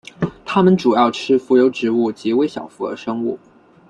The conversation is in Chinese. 它们主要吃浮游植物及微小浮游生物。